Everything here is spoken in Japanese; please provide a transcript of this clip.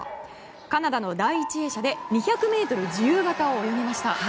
カナダの第１泳者で２００ｍ自由形を泳ぎました。